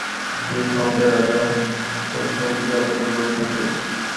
তিনি ছন্দের রাজা ও ছন্দের যাদুকর বলে খ্যাত।